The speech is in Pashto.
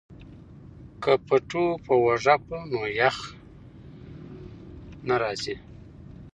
که پټو په اوږه کړو نو یخ نه راځي.